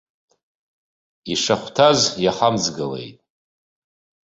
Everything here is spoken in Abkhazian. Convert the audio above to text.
Ишахәҭаз иахамҵгылеит.